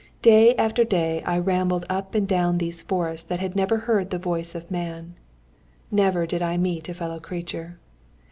Day after day I rambled up and down these forests that had never heard the voice of man. Never did I meet a fellow creature.